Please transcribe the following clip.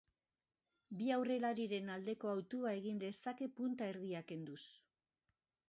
Bi aurrelariren aldeko hautua egin lezake punta-erdia kenduz.